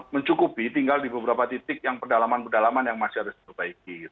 mencukupi tinggal di beberapa titik yang pedalaman pedalaman yang masih harus diperbaiki